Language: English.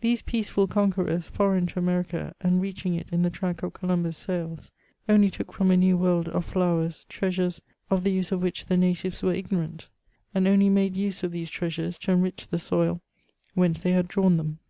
These peace ful conquerors, foreign to America, and reaching it in the track of Columbus's sails, only took from a new world of flowers trea sures, of the use of which the natives were ignorant ; and only made use of these treasures to enrich the soil whence they had drawn them.